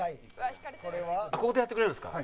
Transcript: ここでやってくれるんですか？